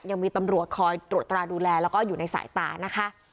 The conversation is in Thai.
ยังมีตำรวจคอยตรวจตราดูแลแล้วก็อยู่ในสายตานะคะ